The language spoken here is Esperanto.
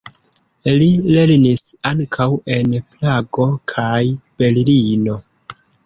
Li lernis ankaŭ en Prago kaj Berlino.